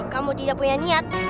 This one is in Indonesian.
kamu tidak punya niat